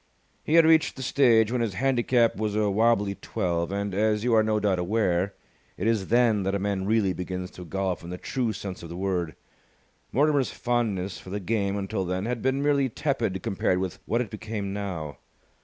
He had reached the stage when his handicap was a wobbly twelve; and, as you are no doubt aware, it is then that a man really begins to golf in the true sense of the word. Mortimer's fondness for the game until then had been merely tepid compared with what it became now.